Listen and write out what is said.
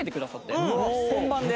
本番で。